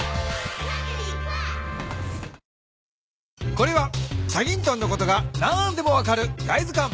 これは『チャギントン』のことが何でも分かるだいずかん。